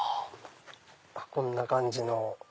こんな感じの。